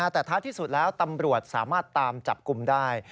แต่ท้ายที่สุดแล้วตำรวจสามารถตามจับกลุ่มได้